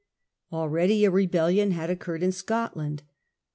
Already a rebellion had occurred in Scotland.